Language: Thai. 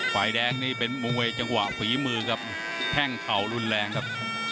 ฝ่ายแดงนี่เป็นมวยจังหวะฝีมือครับแข้งเข่ารุนแรงครับ